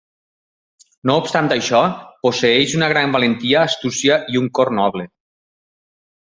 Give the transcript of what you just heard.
No obstant això, posseeix una gran valentia, astúcia i un cor noble.